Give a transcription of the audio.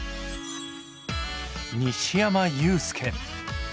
西山雄介。